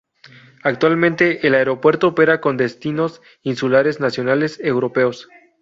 Actualmente, el aeropuerto opera con destinos insulares, nacionales, europeos.